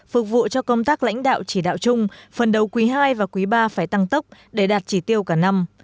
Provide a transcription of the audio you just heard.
phục vụ cho công tác lãnh đạo chỉ đạo chung phần đầu quý ii và quý iii phải tăng tốc để đạt chỉ tiêu cả năm